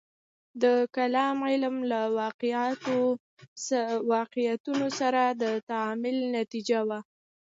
د کلام علم له واقعیتونو سره د تعامل نتیجه وه.